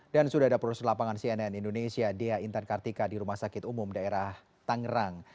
dan sudah ada produser lapangan cnn indonesia dea intan kartika di rumah sakit umum daerah tangerang